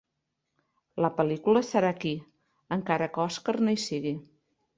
La pel·lícula serà aquí, encara que Oscar no hi sigui.